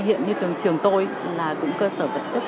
hiện như tường trường tôi là cũng cơ sở vật chất